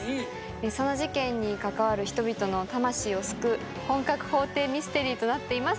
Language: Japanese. その事件に関わる人々の魂を救う本格法廷ミステリーとなっています。